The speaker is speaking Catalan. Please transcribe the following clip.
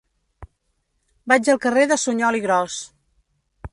Vaig al carrer de Suñol i Gros.